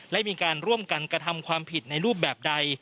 และมีการร่วมกันกระทำความผิดในรูปแบบใด